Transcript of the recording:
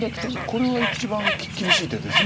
これは一番厳しい手です。